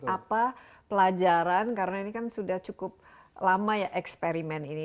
apa pelajaran karena ini kan sudah cukup lama ya eksperimen ini